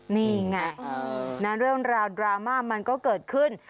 นี่ไงเรื่องราวดราม่ามันก็เกิดขึ้น